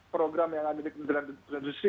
program yang ada di kementerian industri